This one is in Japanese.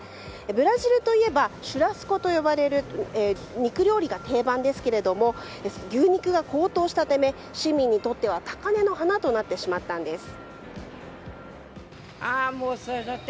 ブラジルといえばシュラスコと呼ばれる肉料理が定番ですが牛肉が高騰したため市民にとっては高嶺の花となってしまったんです。